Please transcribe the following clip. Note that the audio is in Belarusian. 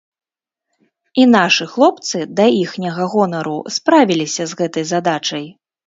І нашы хлопцы да іхняга гонару справіліся з гэтай задачай.